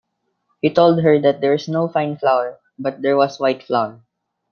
He told her that there was no fine flour, but there was white flour.